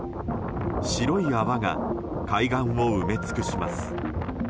白い泡が海岸を埋め尽くします。